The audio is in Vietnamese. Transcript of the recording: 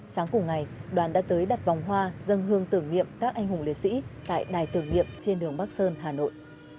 sáng cùng ngày đoàn đã tới đặt vòng hoa dân hương tưởng niệm các anh hùng liệt sĩ tại đài tưởng niệm trên đường bắc sơn hà nội